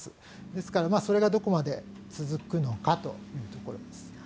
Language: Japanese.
ですから、それがどこまで続くのかというところです。